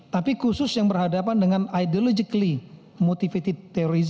tapi khusus yang berhadapan dengan ideologically motivated terrorism